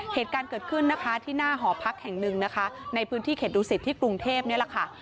เหตุการณ์เกิดขึ้นนะคะที่หน้าหอพักแห่งหนึ่งนะคะในพื้นที่เขตดูสิตที่กรุงเทพนี่แหละค่ะ